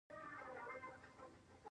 دا جګړه د انګلیسانو د واک پیل و.